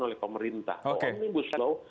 oleh pemerintah omnibus law